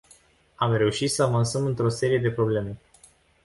Am reușit să avansăm într-o serie de probleme.